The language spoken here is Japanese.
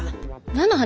何の話？